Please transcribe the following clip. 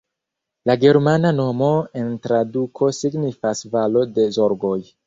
La germana nomo en traduko signifas valo de zorgoj.